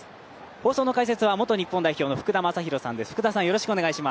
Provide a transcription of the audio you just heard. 放送の解説は元日本代表の福田正博さんです。